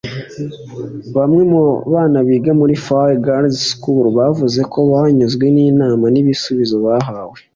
Bamwe mu bana biga muri Fawe Girls School bavuze ko banyuzwe n’inama n’ibisubizo bahawe